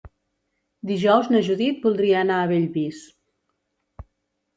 Dijous na Judit voldria anar a Bellvís.